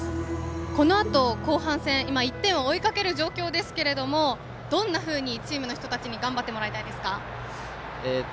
このあと後半戦今、１点を追う状況ですがどんなふうにチームの人たちに頑張ってほしいですか？